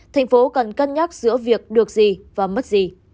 tp hcm cần cân nhắc giữa việc được gì và mất gì